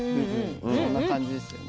そんな感じですよね。